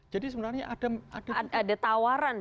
jadi sebenarnya ada ada tawaran